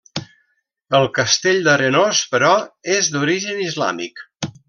El castell d'Arenós, però, és d'origen islàmic.